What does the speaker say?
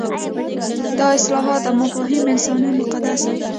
دا اصطلاحات او مفاهیم انساني او مقدس دي.